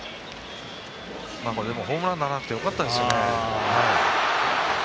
ホームランにならなくてよかったですよね。